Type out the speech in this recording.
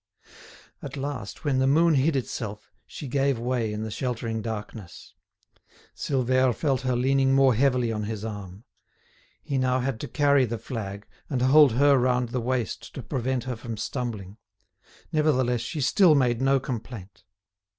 At last, when the moon hid itself, she gave way in the sheltering darkness. Silvère felt her leaning more heavily on his arm. He now had to carry the flag, and hold her round the waist to prevent her from stumbling. Nevertheless she still made no complaint.